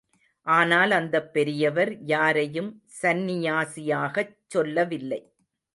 ஆனால் அந்தப் பெரியவர் யாரையும் சன்னியாசியாகச் சொல்லவில்லை.